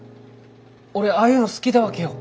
俺ああいうの好きだわけよ。